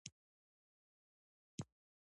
ایا زه تربوز خوړلی شم؟